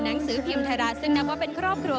หนังสือพิมพ์ไทยรัฐซึ่งนับว่าเป็นครอบครัว